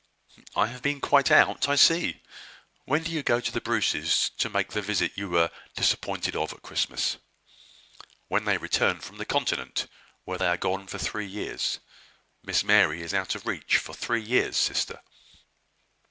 "I have been quite out, I see. When do you go to the Bruces', to make the visit you were disappointed of at Christmas?" "When they return from the Continent, where they are gone for three years. Miss Mary is out of reach for three years, sister."